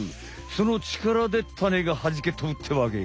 そのちからでタネがはじけ飛ぶってわけ。